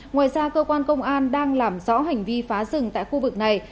ngoài ra cơ quan công an đang làm rõ hành vi phá rừng tại khu vực này